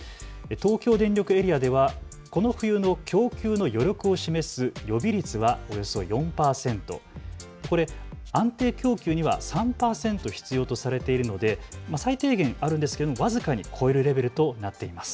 東京電力エリアではこの冬の供給の余力を示す予備率がおよそ４％、安定供給には３％必要とされているので最低限あるんですけれど僅かに超えるレベルとなっています。